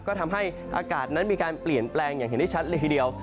ก็ทำให้อากาศนั้นมีการเปลี่ยนแปลงอย่างเห็นได้ชัดเลยทีเดียว